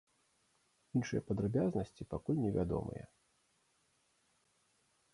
Іншыя падрабязнасці пакуль невядомыя.